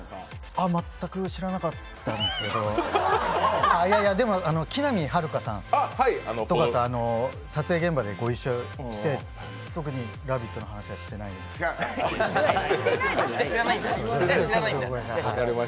全く知らなかったんですけどいやいや、でも木南晴夏さんとかと撮影現場でご一緒して特に「ラヴィット！」の話はしてないんですけどじゃあ知らないんだ。